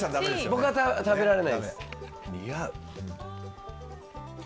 僕は食べられないです。